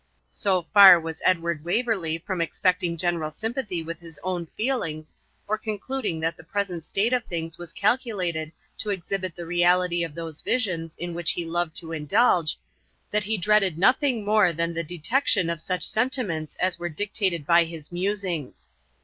So far was Edward Waverley from expecting general sympathy with his own feelings, or concluding that the present state of things was calculated to exhibit the reality of those visions in which he loved to indulge, that he dreaded nothing more than the detection of such sentiments as were dictated by his musings.